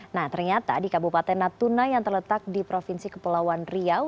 nah ternyata di kabupaten natuna yang terletak di provinsi kepulauan riau